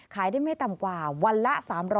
ขายได้ไม่ต่ำกว่าวันละ๓๐๐